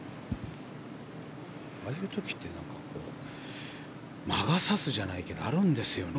ああいう時って魔が差すじゃないけどあるんですよね。